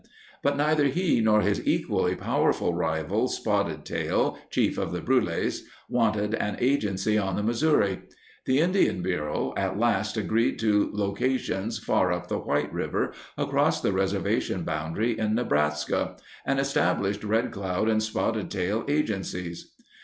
But neither he nor his equally powerful rival, Spotted Tail, chief of the Brules, wanted an agency on the Missouri. The Indian Bureau at last agreed to loca tions far up the White River, across the reservation boundary in Nebraska, and established Red Cloud and Spotted Tail agencies.